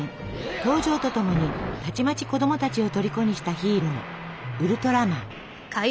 登場とともにたちまち子供たちをとりこにしたヒーローウルトラマン。